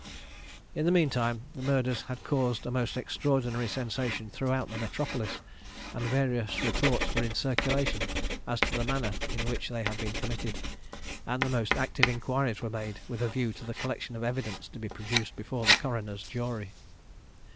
In the mean time the murders had caused a most extraordinary sensation throughout the metropolis, and various reports were in circulation as to the manner in which they had been committed; and the most active inquiries were made with a view to the collection of evidence to be produced before the coroner's jury.